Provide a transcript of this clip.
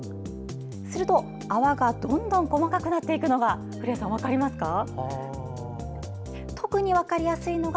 すると、泡がどんどん細かくなっていくのが古谷さん、分かりますか？